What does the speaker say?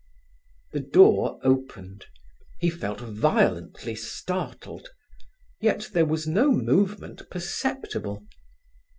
The door opened. He felt violently startled; yet there was no movement perceptible.